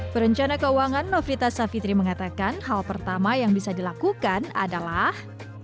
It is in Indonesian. perencana keuangan nofrita savitri mengatakan hal pertama yang bisa dilakukan adalah